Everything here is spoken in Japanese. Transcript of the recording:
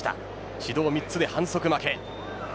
指導３つで反則負けです。